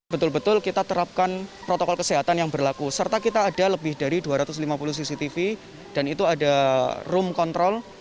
betul betul kita terapkan protokol kesehatan yang berlaku serta kita ada lebih dari dua ratus lima puluh cctv dan itu ada room control